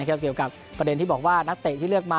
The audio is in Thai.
เกี่ยวกับประเด็นที่บอกว่านักเตะที่เลือกมา